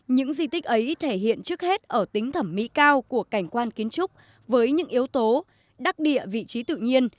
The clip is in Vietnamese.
những di tích ấy thể hiện trước hết ở tính thẩm mỹ cao của cảnh quan kiến trúc với những yếu tố đắc địa vị trí tự nhiên